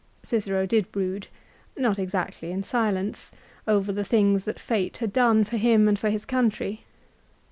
Cicero did brood, not exactly in silence, over the things that fate had done for him and for his country.